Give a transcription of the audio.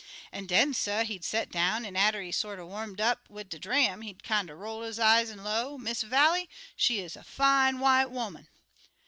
"An' den, suh, he'd set down, an' atter he got sorter warmed up wid de dram, he'd kinder roll his eye and low, 'Miss Vallie, she is a fine white 'oman!'